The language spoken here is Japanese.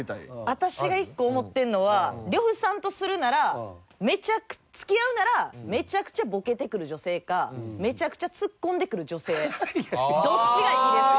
私が１個思ってるのは呂布さんとするなら付き合うならめちゃくちゃボケてくる女性かめちゃくちゃツッコんでくる女性どっちがいいですか？